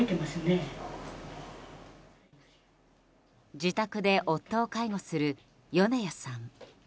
自宅で夫を介護する米谷さん。